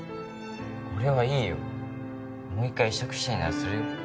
俺はいいよもう一回移植したいならするよ